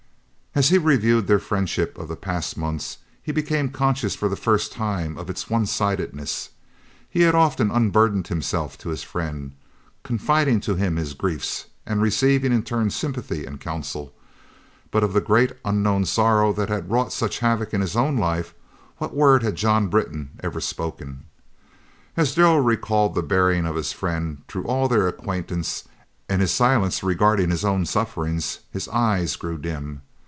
As he reviewed their friendship of the past months he became conscious for the first time of its one sidedness. He had often unburdened himself to his friend, confiding to him his griefs, and receiving in turn sympathy and counsel; but of the great, unknown sorrow that had wrought such havoc in his own life, what word had John Britton ever spoken? As Darrell recalled the bearing of his friend through all their acquaintance and his silence regarding his own sufferings, his eyes grew dim.